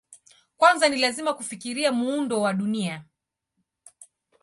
Kwanza ni lazima kufikiria muundo wa Dunia.